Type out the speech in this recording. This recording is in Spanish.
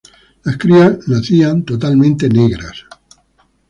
Las crías nacían totalmente negras.